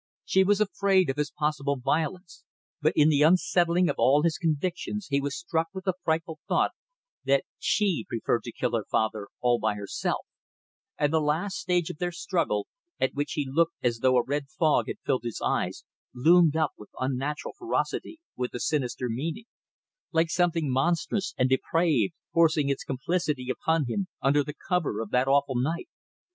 She was afraid of his possible violence, but in the unsettling of all his convictions he was struck with the frightful thought that she preferred to kill her father all by herself; and the last stage of their struggle, at which he looked as though a red fog had filled his eyes, loomed up with an unnatural ferocity, with a sinister meaning; like something monstrous and depraved, forcing its complicity upon him under the cover of that awful night.